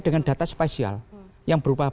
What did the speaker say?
dengan data spesial yang berupa